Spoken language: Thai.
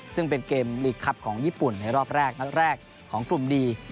ซึ่งเป็นเกมลีกคลับของญี่ปุ่นในรอบแรกนัดแรกของกลุ่มดี